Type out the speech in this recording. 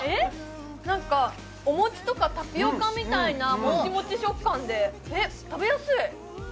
何かお餅とかタピオカみたいなもちもち食感でえっ食べやすい！